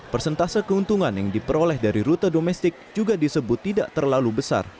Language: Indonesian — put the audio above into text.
persentase keuntungan yang diperoleh dari rute domestik juga disebut tidak terlalu besar